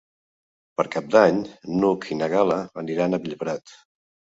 Per Cap d'Any n'Hug i na Gal·la aniran a Bellprat.